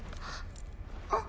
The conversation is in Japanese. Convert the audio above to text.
あっ。